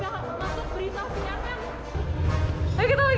tapi aku langsung berita sinarnya